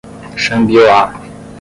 Xambioá